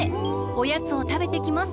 おやつをたべてきます。